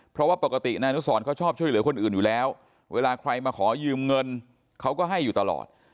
เพราะว่าปกตินายอนุสรเขาชอบช่วยเหลือคนอื่นอยู่แล้วเวลาใครมาขอยืมเงินเขาก็ให้อยู่ตลอด